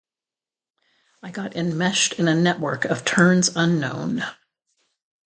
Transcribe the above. I got enmeshed in a network of turns unknown.